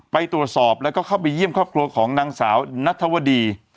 ไปตรวจสอบแล้วก็เข้าไปเยี่ยมครอบครัวของนางสาวนัทวดี